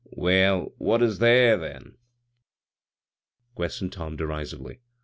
" Well, what is there, then ?" questioned Tom, derisively.